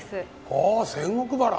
ああ仙石原。